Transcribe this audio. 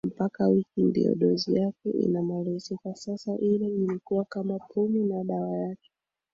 mpaka wiki Ndio dozi yake inamalizika Sasa ile ilikuwa kama pumu na dawa yake